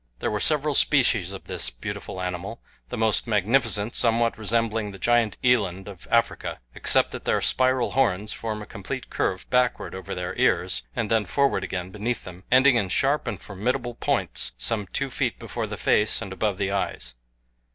There were several species of this beautiful animal, the most magnificent somewhat resembling the giant eland of Africa, except that their spiral horns form a complete curve backward over their ears and then forward again beneath them, ending in sharp and formidable points some two feet before the face and above the eyes.